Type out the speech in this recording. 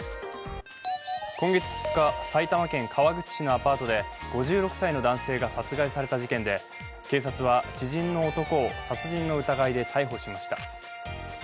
今月２日、埼玉県川口市のアパートで５６歳の男性が殺害された事件で、警察は知人の男を殺人の疑いで逮捕しました。